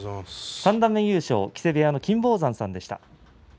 三段目優勝の木瀬部屋の金峰山さんでした。